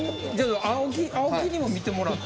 青木にも見てもらって。